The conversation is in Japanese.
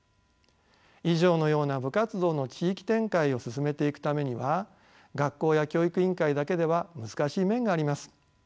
以上のような部活動の地域展開を進めていくためには学校や教育委員会だけでは難しい面があります。